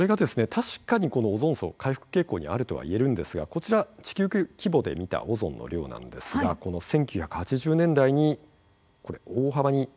確かにこのオゾン層回復傾向にあるとは言えるんですがこちら地球規模で見たオゾンの量なんですがこの１９８０年代に大幅にオゾンが減ってしまったあとですね